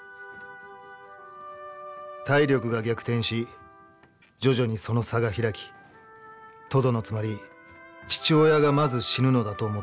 「体力が逆転し、徐々にその差が開き、とどのつまり、父親がまず死ぬのだと思っていた。